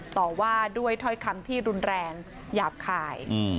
ต่อว่าด้วยถ้อยคำที่รุนแรงหยาบคาย